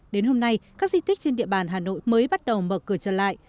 đến hôm nay các di tích trên địa bàn hà nội mới bắt đầu mở cửa trở lại